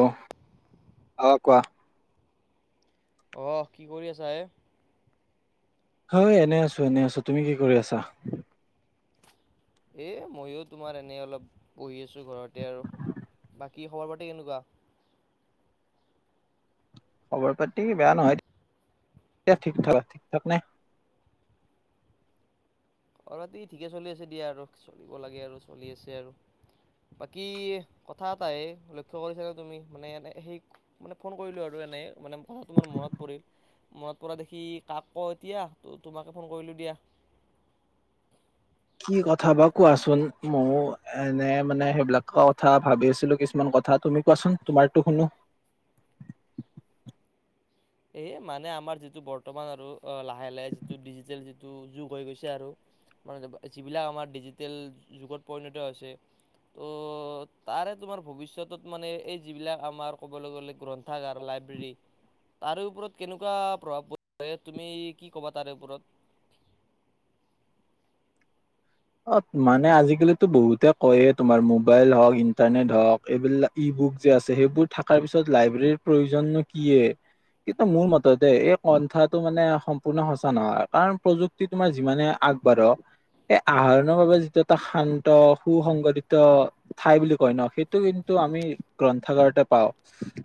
অ হ কোৱা আহ কি কৰি আছা এ? হয় এনে আছো এনে আছো তুমি কি কৰি আছা এ ময়ো তোমাৰ এনে অলপ বহি আছো ঘৰতে আৰু। বাকী খবৰ পাতি কেনেকুৱা খবৰ পাতি বেয়া নহয় ঠিক থাক ঠিক ঠাক নে? অ ৰাতি ঠিকে চলি আছে দিয়া আৰু চলিব লাগে আৰু চলি আছে আৰু। বাকী কথা এটাই লক্ষ্য কৰিছানো তুমি মানে সেই মানে ফোন কৰিলো আৰু? নাই মানে ম তোমাৰ মনত পৰিল মনত পৰা দেখি কাক ক এতিয়া ত তোমাকে ফোন কৰিলো দিয়া কি কথা বা কোৱাচোন ময়ো এনে মানে সেইবিলাকৰ কথা ভাবি আছিলো কিছুমান কথা- কথা তুমি কোৱাচোন তোমাৰো শুনো। [inaudible] এইে মানে আমাৰ যিটো বৰ্তমান আৰু অ লাহে লাহে যিটো ডিজিটেল যি টো যুগ হৈ গৈছে আৰু মানে যিবিলাক আমাৰ ডিজিটেল যুগত পৰিণত হৈছে। ত' তাৰে তোমাৰ ভৱিষ্যতত মানে এই যিবিলাক আমাৰ ক'বলৈ গ'লে গ্ৰন্থাগাৰ লাগ ফাইব্ৰে তাৰে ওপৰত কেনেকুৱা প্ৰভাৱ পৰিছে তুমি কি কবা তাৰে ওপৰত [unintelligible] অ মানে আজিকালিতো বহুতে কয় তোমাৰ মোবাইল হওক ইন্টাৰনেট হওক এইবিলাক ই বু যে সেইবোৰ থ পিছত লাইব্ৰৰ প্ৰয়ো কি? কিন্তু মোৰ মতেতে এই কন্থাটো মানে সম্পূৰ্ণ সঁচা নহয় কাৰণ প্ৰযুক্তি তোমাৰ যিমানে আগ বাঢ়ো। আহৰণৰ বাবে যিটো এটা শান্ত সু সংংগঠিত ঠাই বুলি কয় ন সেইটো কিন্তু আমি। গ্ৰন্থাগাৰতে পাওঁ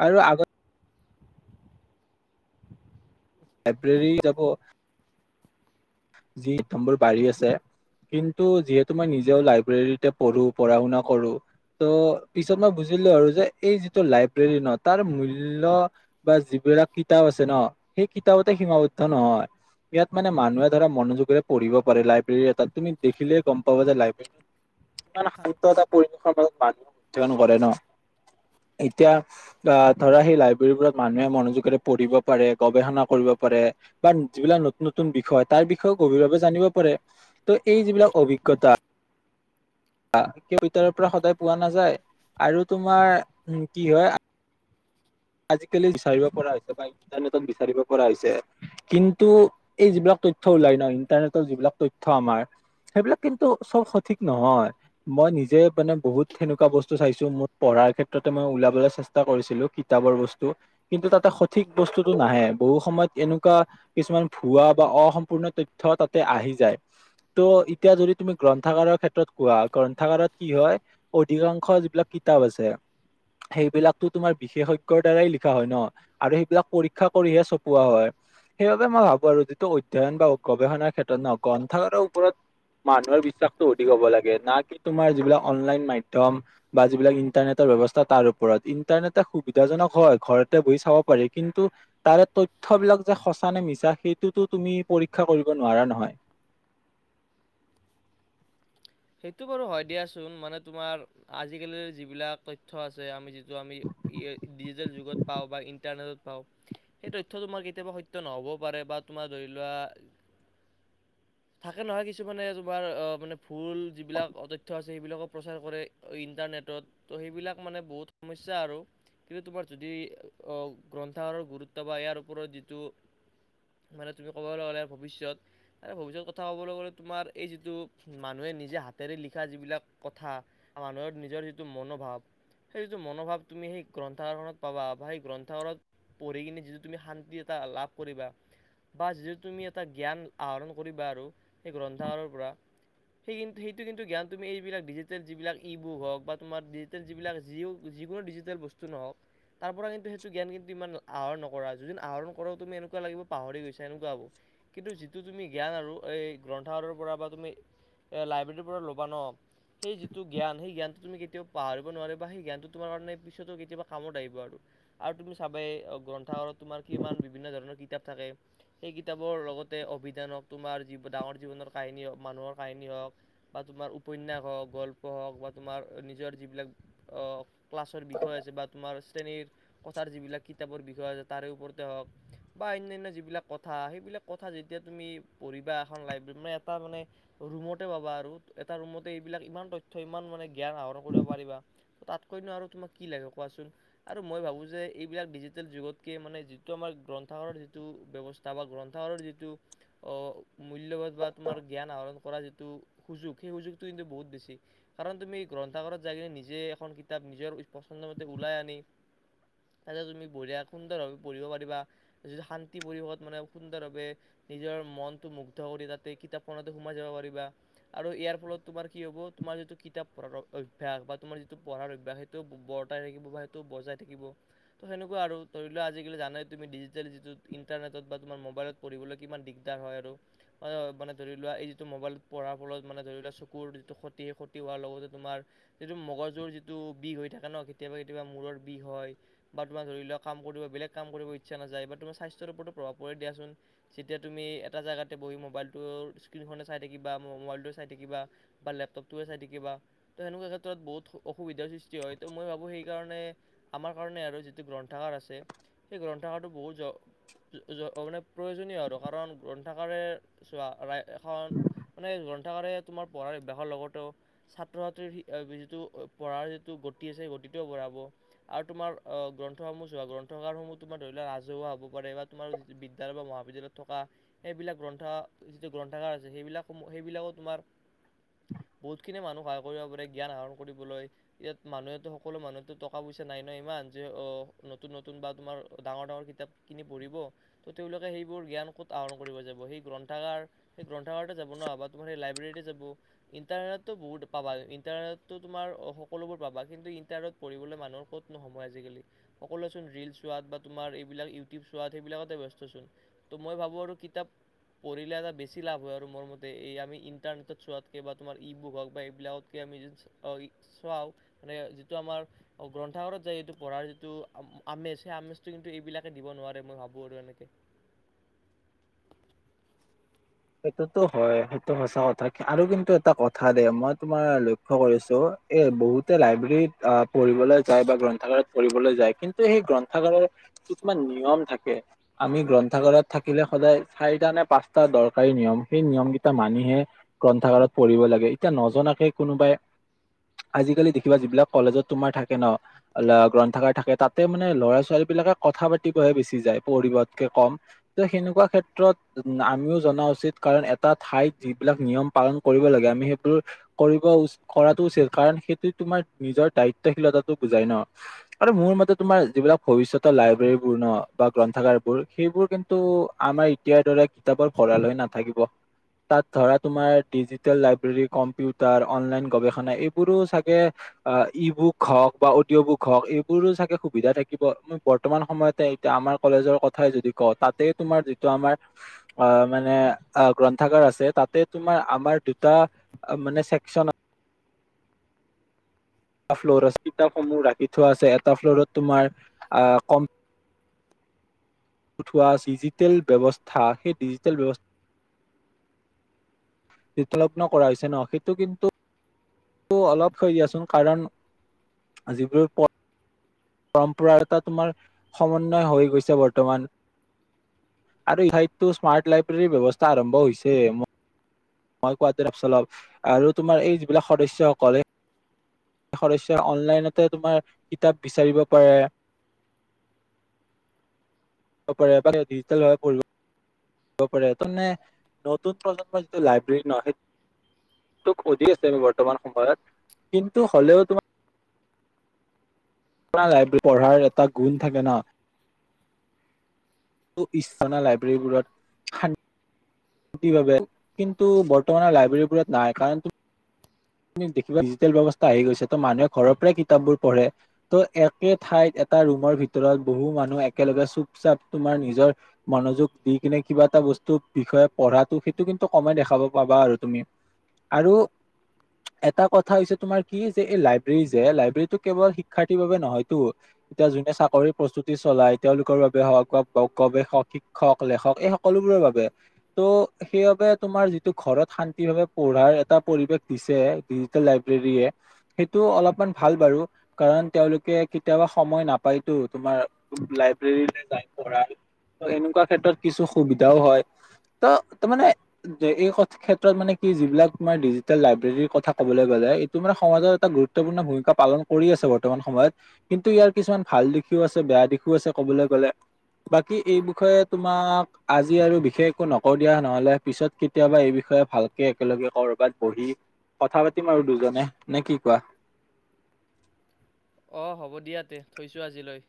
আৰু আগত লাইব্ৰেৰী যাব যি নম্বৰ বাঢ়ি আছে কিন্তু যিহেতু মই নিজেও লাইব্ৰেৰীতে পঢ়ো পঢ়া শুনা কৰো। ত' পিছত মই বুজিলো আৰু যে এই যিটো লাইব্ৰেৰী ন তাৰ মূল্য বা যি দুটা কিতাপ আছে ন সেই কিতাপতে সীমাবদ্ধ নহয় ইয়াত মানে মানুহে। ধ মনোযোগে পঢ়িব পাৰে লাইব্ৰেৰী এাত তুমি দেখিলে গম পাবা যে লাইব্ৰেৰী কিমান শান্ত এটা পৰিৱেশৰ মাজত মানুহ উদযাপন কৰে ন এতিয়া ধৰা সেই লাইব্ৰেৰীবোৰত মানুহে মনোযোগৰে পঢ়িব পাৰে গৱেষণা কৰিব পাৰে বা যিবিলাক নতুন নতুন বিষয় তাৰ বিষয়েও গভীৰভাৱে জানিব পাৰে ত' এই যিবিলাক অভিজ্ঞতা ক ভিতৰৰ পৰা সদায় পোৱা নাযায় আৰু তোমাৰ উম কি হয় আজিকালি বিচাৰিব পৰা হৈছে বা ইণ্টাৰনেটত বিচাৰিব পৰা হৈছে কিন্তু এই যিবিলাক তথ্য ওলাই ন ইণ্টাৰনেটৰ যিবিলাক তথ্য আমাৰ সেইবিলাক কিন্তু চব সঠিক নহয়, মই নিজে মানে বহুত সেনেকুৱা বস্তু চাইছো মোৰ পঢ়া তাৰ ক্ষেত্ৰতে মই ওলাবলৈ চেষ্টা কৰিছিলো কিতাপৰ বস্তু কিন্তু তাতে সঠিক বস্তুটো নাহে বহু সময়ত এনেকুৱা কিছুমান ভুৱা বা অসম্পূৰ্ণ তথ্য তাতে আহি যায় ত' এতিয়া যদি তুমি গ্ৰন্থাগাৰৰ ক্ষেত্ৰত কোৱা, গ্ৰন্থাগাৰত কি হয় অধিকাংশ যিবিলাক কিতাপ আছে, সেইবিলাকতো তোমাৰ বিশেষ দ্বাৰাই লিখা হয় ন, আৰু সেইবিলাক পৰীক্ষা কৰিহে চপোৱা হয়। সেইবাবে মই ভাবো আৰু যিটো অধ্যয়ন বা গৱেষণাৰ ক্ষেত্ৰত ন গ্ৰন্থাগাৰৰ ওপৰত মানুহৰ বিশ্বাসতটো অধিক হ'ব লাগে না কি তোমাৰ যিবিলাক অনলাইন মাধ্যম বা যিবিলাক ইন্টাৰনেটৰ ব্যৱস্থা তাৰ ওপৰত ইণ্টাৰনেটে খুব সুবিধাজনক হয়, ঘৰতে বহি চাব পাৰি কিন্তু তাৰে তথ্যবিলাক যে সঁচা নে মিছা সেইটোতো তুমি পৰীক্ষা কৰিব নোৱাৰা নহয় [unintelligible] সেইটো বাৰু হয় দিয়াচোন মানে তোমাৰ আজিকালিৰ যিবিলাক তথ্য আছে আমি য' আমি ডিজিটেল যুগত পাওঁ বা ইণ্টাৰনেটত সেই তথ্য তোমাৰ কেতিয়াবা সত্য নহবও পাৰে বা তোমাৰ ধৰি লোৱা থাকে নহয় কিছুমানে তোমাৰ আহ মানে ভুল যিবিলাক তথ্য আছে সেইবিলাকো প্ৰচাৰ কৰে ইণ্টাৰনেটত ত' সেইবিলাক মানে বহু সমস্যা এ আৰু কিন্তু তোমাৰ যদি অহ গ্ৰন্থাগাৰ গুৰুত্ব বা ইয়াৰ ওপৰত যিটো মানে তুমি ক'বলে গ'লে ভৱিষ্যত আৰু ভৱিষ্যত কথা ক'বলে গ'লে তোমাৰ এই যিটো মানুহে নিজে হাতেৰে লিখা যিবিলাক কথা মানুহৰ নিজৰ যিটো মনোভাৱ সেইটো মনোভাৱ তুমি সেই গ্ৰন্থাগাৰখনত পাবা বা সেই গ্ৰন্থ পঢ়ি কিনে যিটো তুমি শান্তি এটা লাভ কৰিবা বা যিটো তুমি এটা জ্ঞান আহৰণ কৰিবা আৰু সেই গ্ৰন্থাখনৰ পৰা সেই সেইটো কিন্তু জ্ঞান এইবিলাক ডিজিটেল যিবিলাক ই বু হওক বা ডিজিটেল যিবিলাক যিও যিকোনো ডিজিটেল বস্তু নহওক তাৰ পৰা কিন্তু সেইটো জ্ঞান কিন্তু ইমান আহৰণ নকৰা, যদি আহৰণ কৰাও তুমি এনেকুৱা লাগিব পাহৰি গৈছা এনেকুৱা হ'ব। কিন্তু যিটো তুমি জ্ঞান আৰু এই গ্ৰন্থাৰৰ পৰা বা তুমি এ লাইব্ৰেৰী পৰা ল'বা ন সেই যিটো জ্ঞান, সেই জ্ঞানটো তুমি কেতিয়াও পাহৰিব নোৱাৰিবা, সেই জ্ঞানটো তোমাৰ কাৰণে পিছতো কেতিয়া কামত আহিব আৰু। আৰু তুমি চাবেই গ্ৰন্থাগত তোমাৰ কিমান বিভিন্ন ধৰণৰ কিতাপ থাকে সেই কিতাপৰ লগত তাতে অভিধান হক তোমাৰ জি ডাঙৰ জীৱনৰ কাহিনী হওক মানুহৰ কাহিনী হওক বা তোমাৰ উপন্যাস হওক গল্প হওক বা তোমাৰ নিজৰ যিবিলাক অ ক্লাছৰ বিষয় আছে বা তোমাৰ শ্ৰেণীৰ কথাৰ যিবিলাক কিতাপৰ বিষয়ে আ তাৰে ওপৰতে হওক বা অন্যান্য যিবিলাক কথা সেইবিলাক কথা যেতিয়া তুমি পৰি কিবা এখন লাইব্ৰেৰী মানে এটা মানে ৰুমতে পাবা আৰু এটা ৰুমতে এইবিলাক ইমান তথ্য ইমান মানে জ্ঞান আহৰণ কৰিব পাৰিবা তাত কনো আৰু তোমাক কি লাগে কোৱাচোন, আৰু মই ভাবোঁ যে এইবিলাক ডিজিটেল যুগতকৈ মানে যিটো আমাৰ গ্ৰন গৰ যিটো ব্যৱস্থা বা গ্ৰন্থাৰৰ যিটো মূল্যবধ বা তোমাৰ জ্ঞান আহৰণ কৰা যিটো সুযোগ সেই সুযোগটো কিন্তু বহুত বেছি কাৰণ তুমি গ্ৰন্থাগাৰত যাই কিনে নিজে এখন কিতাপ নিজৰ পচন্দ মতে ওলাই আনি ততে তুমি বঢ়িয়া সুন্দৰভাৱে বঢ়িব পাৰিবা য শান্তি পৰিৱেশত মানে সুন্দৰভাৱে নিজৰ মন টো মুগ্ধ কৰি তাতে কিতাপ পঢ়াতে ব পাৰিবা, আৰু ইয়াৰ ফলত তোমাৰ কি হ'ব তোমাৰ যিটো কিতাপ পৰাৰ অভ্যাস বা তোমাৰ যিটো প ভাল অভ্যস সেইটো বৰ্তাই থাকিব বা সেইটো বজাই থাকিব ত সেনেকুৱা আৰু ধৰি লোৱা আজিকালি জানাই তুমি ডিজিটেল যিটোত ইণ্টাৰনেটত বা তোমাৰ মোবাইলত পঢ়িবলৈ কিমান দিগদাৰ হয় আৰু মান ধৰি লোৱা এই টো মোবাইলত পঢ়াৰ ফলত মানে ধৰি লোৱা চকুৰ যিটো ক্ষতি, সেই ক্ষতি হোৱাৰ লগতে তোমাৰ যিটো মগজুৰ যিটো বিষ হৈ থাকে ন কেতিয়াবা কেতিয়াবা মূৰ বিষ হয় বা তোমাৰ ধৰি লোৱাক কাম কৰিব বেলেগ কাম কৰিব ইচ্ছা নাযায় তোমাৰ স্বাস্থ্যৰ ওপৰত প্ৰভাৱ পৰে দিয়াচোন যেতিয়া তুমি এটা জেগাতে বহি মোবাইলটো স্ক্ৰীন খনে চাই। ম ব সৃষ্টি হয় ত মই ভাবো সেইকাৰণে আমাৰ কাৰণে আৰু যিটো গ্ৰন্থাগাৰ আছে সেই গ্ৰন্থগাৰটো বহুত মানে প্ৰয়োজনীয় আৰু কাৰণ গ্ৰন্থাগাৰে চোৱা এখন মানে গ্ৰন্থাকাৰে তোমাৰ পঢ়াৰ অভ্যাসৰ লগতে ছাত্ৰ-ছাত্ৰীৰ যিটো পঢ়াৰ যি। গতি আছে গতিটোও বঢ়াব আৰু তোমাৰ অ গ্ৰন্থসমূহোৱা গ্ৰন্থাগাৰসমূহ তোমাৰ ধৰি লোৱা ৰাজহুৱা হ'ব পাৰে বা তোমাৰ যিটো বিদ্যালয় বা মহাবিদ্যালয়ত থকা সেইবিলাক গ্ৰন্থ যিটো গ্ৰন্থাগাৰ আছে। সেইবিলাক সেইবিলাকো তোমাৰ বহুত খিনি মানুহ সহায় কৰিব পাৰে জ্ঞান আহৰণ কৰিবলৈ ইয়াত মানুহেতো সকলো মানুহো টকা পইচা ন নাই নহয় ইমান যে অ নতুন নতুন বা তোমাৰ ডাঙৰ ডাঙৰ কিতাপ কিনি পঢ়িব তো তেওঁলোকে সেইবোৰ জ্ঞান ক'ত আহৰণ কৰিব যাব সেই গ্ৰন্থাগাৰ। সেই গ্ৰন্থাগাৰতে যাব ন বা তোমাৰ সেই লাইব্ৰেৰীতে যাব ইণ্টাৰনেটতো বহুত পাবা ইণ্টাৰনেটতো তোমাৰ অ সকলোবোৰ পাবা কিন্তু ইন্টাৰনেতত পঢ়িবলৈ মানুহৰ ক'ত নহ সময় আজিকালি সকলোৱ চোন ৰিল চোৱাত বা তোমাৰ। মই ভ ক বেছি লাভ হয় আৰু মোৰ মতে এই আমি ইণ্টাৰনেটত চোৱাতকে বা তোমাৰ ই বুক হওক বা এইবিলাকতকে আমি। চোৱাও মানে যিটো আমাৰ গ্ৰন্থাগাৰত যায় এইটো পঢ়াৰ যিটো আমেজ সেই আমেজটো। কিন্তু এইবিলাকে দিব নোৱাৰে মই ভাবো আৰু এনেকে। সেইটোতো হয় সেইটো সঁচা কথা আৰু কিন্তু এটা কথা দে মই তোমাৰ লক্ষ্য কৰিছো এ বহুতে লাইব্ৰেৰীত অহ পঢ়িবলৈ যায় বা গ্ৰন্থাগাৰত পঢ়িবলৈ যায় কিন্তু সেই গ্ৰন্থাগাৰত। কিছুমান নিয়ম থাকে আমি গ্ৰন্থাগাৰত থাকিলে সদায় চাৰিটা নে পাঁচটা দৰকাৰ। চৰকাৰী নিয়ম সেই নিয়ম কেইটা মানিহে গ্ৰন্থাগাৰত পঢ়িব লাগে এতিয়া নজনাকে কোনোবাই আজিকালি দেখিবা যিবিলাক কলেজত তোমাৰ থাকে নহ অ গ্ৰন্থাগাৰ থাকে তাতে মানে ল'ৰা-ছোৱালী। পাতিবে বিমনেুৱা ক্ষেত্ৰত আমিও জনা উচিত কাৰণ এটা ঠাইত যিবিলাক নিয়ম পালন কৰিব লাগে আমি সেইবোৰ কৰিব উ কৰাতো কাৰন সেইটো তোমাৰ নিজৰ দায়িত্বশীলতাটো বুজাই নহ আৰু মোৰ মতে তোমাৰ যিবিলাক। লাইব্ৰেৰী বৰ্ণ বা গ্ৰন্থাগাৰবোৰ সেইবোৰ কিন্তু আমাৰ এতিয়াৰ দৰে কিতাপৰ ভৰা লৈ নাথাকিব তাত ধৰা তোমাৰ ডিজিটেল লাইব্ৰেৰী কম্পিউটাৰ অনলাইন গৱেষণা এইবোৰো চাগে অ ই বুক হওক বা অডিঅ' বুক হওক এইবোৰো চাগে সুবিধা থাকিব বৰ্তমান সময়তে এতিয়া। আমাৰ কলেজৰ কথাই যদি কওঁ তাতে তোমাৰ যিটো আমাৰ অ মানে গ্ৰন্থাগাৰ আছে তাতে তোমাৰ আমাৰ দুটা মানে [unintelligible] এটা ফ্ল'ৰত কিতাপসমূহ ৰাখি থোৱা আছে এটা ফ্ল'ৰত তোমাৰ অহ কম। উঠোৱা ডিজিটেল ব্যৱস্থা সেই ডিজিটেল ব্যৱস্থা তথ্যলগ্ন কৰা হৈছে ন সেইটো কিন্তু টো অলপ থৈ দিয়াচোন কাৰণ যিবোৰ পৰম্পৰা এটা তোমাৰ সমন্বয় হৈ গৈছে বৰ্তমান আৰু ইঠাইততো স্মাৰ্ট লাইব্ৰেৰীৰ ব্যৱস্থা আৰম্ভ হৈছে মই কোৱাতঅলপ চলপ আৰু তোমাৰ এই যিবিলাক সদস্যসকলে অনলাইনতে তোমাৰ কিতাপ বিচাৰিব পাৰে। ডিজিটেলভাৱে পৰি দ পাৰে তাৰমানে নতুন প্ৰজন্মৰ যিটো লাইব্ৰেৰী নহয় সেই তোক সুধি আছে বৰ্তমান সময়ত কিন্তু হলেও তোমাৰ লাইব্ৰেৰী পঢ়াৰ এটা গুণ থাকে ন ইছনা লাইব্ৰেৰীবোৰত। কি ভাবে কিন্তু বৰ্তমানৰ লাইব্ৰেৰীবোৰত নাই কাৰণ দেখিবা ডিজিটেল ব্যয়স্থা আহি গৈছে ত মানুহে ঘৰৰ পৰাই কিতাপ বোৰ পঢ়ে ত' একে ঠাইত এটা ৰুমৰ ভিতৰত বহু মানুহ একেলগে চুপ- চাপ তোমাৰ নিজৰ মনোযোগ দি কিনে কিবা এটা বস্তুৰ বিষয়ে পঢ়াটো সেইটো কিন্তু কমে দেখা পাবা আৰু তুমি আৰু এটা কথা হৈছে তোমাৰ কি যে এই লাইব্ৰেৰী যে লাইব্ৰেৰীটো কেৱল শিক্ষাৰ্থীৰ বাবে নহয়তো যোনে চাকৰিৰ প্ৰস্তুতি চলাই তেওঁলোকৰ বাবে হওঁক বা গৱেষক, শিক্ষক, লেখক এই সকলোবোৰ বাবে ত' সেইবাবে তোমাৰ যিটো ঘৰত শান্তি ভাৱে পঢ়াৰ এটা পৰিৱেশ দি ছে ডিজিটেল লাইব্ৰেৰী য়ে সেইটো অলপমান ভাল বাৰু কাৰণ তেওঁলোকে কেতিয়াবা সম য় নাপায়টো তোমাৰ লাইব্ৰেৰীত যাই পঢ়া। এনেকুৱা ক্ষেত্ৰত কিছু সুবিধাও হয়। ত' তাৰ মানে এই ক্ষেত্ৰত মানে কি যিবিলাক তোমাৰ ডিজিটেল লাই ব্ৰেৰী কথা ক'বলৈ গ'লে ইটো মানে সমাজৰ গুৰুত্বপূৰ্ণ ভূমিকা পালন কৰি আছে বৰ্তমান সময়ত। কিন্তু ইয়াত কিছুমান ভাল দিশো আছে বেয়া দিশো আছে কবলৈ গ'লে। বাকী এই বিষয়ে তোমাক আজি আৰু বিশেষ একো নকওঁ দিয়া নহ'লে পিছত কেতিয়াবা এই বিষয়ে টে ভালকে একেলগে ক'ৰবাত বহি। কথা পাতিম আৰু দুজনে নে কি কোৱা। অ' হ'ব দিয়া তে থৈছোঁ আজিলৈ।